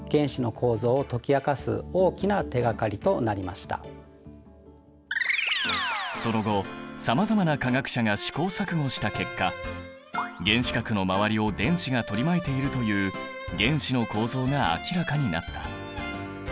そしてその後さまざまな科学者が試行錯誤した結果原子核の周りを電子が取り巻いているという原子の構造が明らかになった。